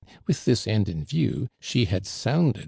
With this end in view she had sounded